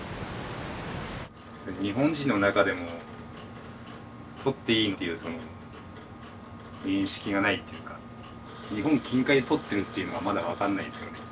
日本人の中でも獲っていいという認識がないっていうか日本近海で獲ってるっていうのはまだ分かんないですよね。